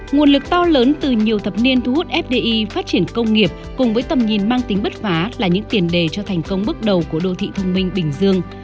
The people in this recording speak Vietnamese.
nguồn lực to lớn từ nhiều thập niên thu hút fdi phát triển công nghiệp cùng với tầm nhìn mang tính bất phá là những tiền đề cho thành công bước đầu của đô thị thông minh bình dương